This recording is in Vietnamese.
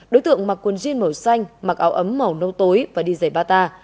đối tượng mặc quần jean màu xanh mặc áo ấm màu nâu tối và đi dày bata